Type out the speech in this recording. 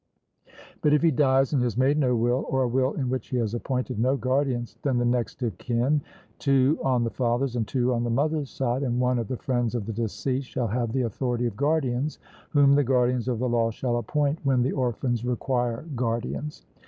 But if he dies and has made no will, or a will in which he has appointed no guardians, then the next of kin, two on the father's and two on the mother's side, and one of the friends of the deceased, shall have the authority of guardians, whom the guardians of the law shall appoint when the orphans require guardians.